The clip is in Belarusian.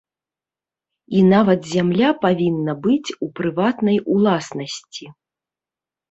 І нават зямля павінна быць у прыватнай уласнасці.